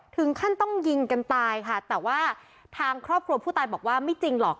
ถึงขั้นต้องยิงกันตายค่ะแต่ว่าทางครอบครัวผู้ตายบอกว่าไม่จริงหรอก